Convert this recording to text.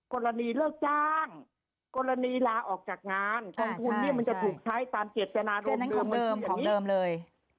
กรณีเลิกจ้างกรณีลาออกจากงานกองทุนเนี่ยมันจะถูกใช้ตามเจตนารมณ์คำเดิมของเดิมเลย